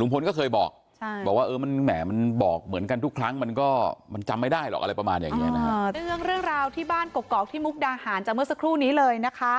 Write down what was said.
ลุงพลก็เคยบอกบอกว่าเออมันแหมมันบอกเหมือนกันทุกครั้งมันก็มันจำไม่ได้หรอกอะไรประมาณอย่างนี้นะฮะเรื่องราวที่บ้านกกอกที่มุกดาหารจากเมื่อสักครู่นี้เลยนะคะ